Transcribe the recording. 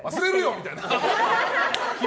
みたいな。